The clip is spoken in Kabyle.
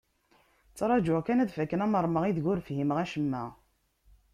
Ttraǧuɣ kan ad fakken amermeɣ i deg ur fhimeɣ acemma.